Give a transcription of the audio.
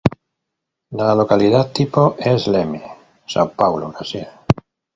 La localidad tipo es: Leme, São Paulo, Brasil.